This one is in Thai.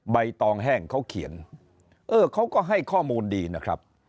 ใบตองแห้งเขาเขียนเออเขาก็ให้ข้อมูลดีนะครับ